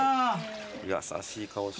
優しい顔して。